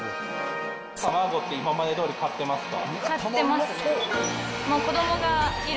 卵って今までどおり買ってますか？